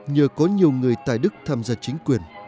nhờ có nhiều người tài đức tham gia chính quyền